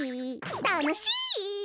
たのしイ。